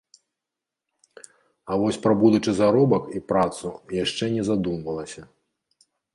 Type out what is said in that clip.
А вось пра будучы заробак і працу яшчэ не задумвалася.